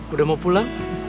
udah mau pulang